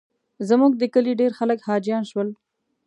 زموږ د کلي ډېر خلک حاجیان شول.